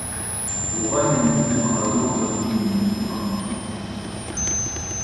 Uɣalen medden ɣer wawal-nni-nsen ɣef tikelt.